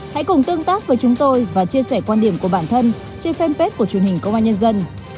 hãy cùng tương tác với chúng tôi và chia sẻ quan điểm của bản thân trên fanpage của truyền hình công an nhân dân